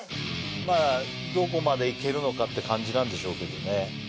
まあどこまでいけるのかって感じなんでしょうけどね